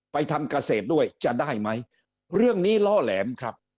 ทำเกษตรด้วยจะได้ไหมเรื่องนี้ล่อแหลมครับ